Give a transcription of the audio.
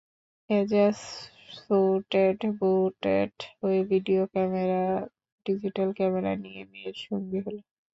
Ejaz suited booted হয়ে video camera, digital camera নিয়ে মেয়ের সঙ্গী হলো।